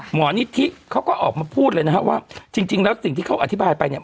หมอนิธิเขาก็ออกมาพูดเลยนะฮะว่าจริงแล้วสิ่งที่เขาอธิบายไปเนี่ย